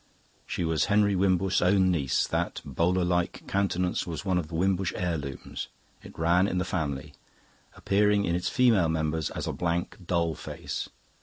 She was Henry Wimbush's own niece; that bowler like countenance was one of the Wimbush heirlooms; it ran in the family, appearing in its female members as a blank doll face.